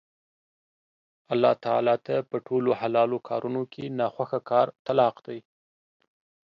الله تعالی ته په ټولو حلالو کارونو کې نا خوښه کار طلاق دی